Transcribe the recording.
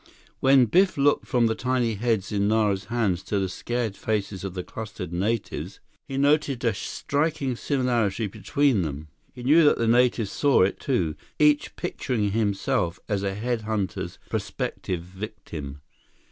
When Biff looked from the tiny heads in Nara's hands to the scared faces of the clustered natives, he noted a striking similarity between them. He knew that the natives saw it, too, each picturing himself as a head hunter's prospective victim.